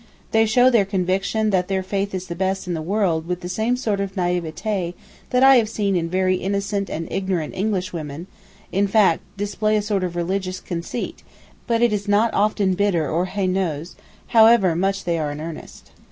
They show their conviction that their faith is the best in the world with the same sort of naïveté that I have seen in very innocent and ignorant English women; in fact, display a sort of religious conceit; but it is not often bitter or haineux, however much they are in earnest.